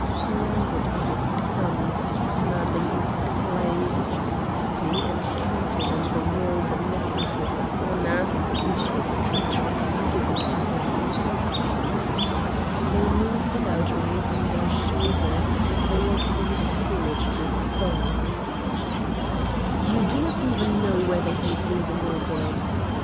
surrounded by his sons, commanding his slaves, happy, and counting on the wall the necklaces of honour which his country has given to him!" They moved about raising their shoulders as if they were being scourged with thongs. "You do not even know whether he is living or dead!"